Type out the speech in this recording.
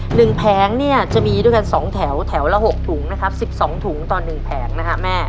หนึ่งแผงเนี่ยจะมีด้วยกัน๒แถวแถวละ๖ถุงนะครับ๑๒ถุงต่อหนึ่งแผงนะครับแม่